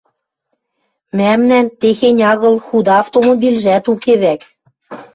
Мӓмнӓн техень агыл, худа автомобильжӓт уке вӓк.